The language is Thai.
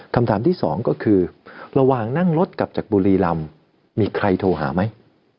คำถามที่สองก็คือระหว่างนั่งรถกลับจากบุรีรำมีใครโทรหาไหม